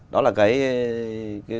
đó là cái